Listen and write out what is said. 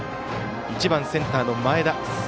１番センターの前田。